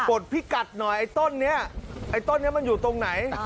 ดพิกัดหน่อยไอ้ต้นนี้ไอ้ต้นนี้มันอยู่ตรงไหน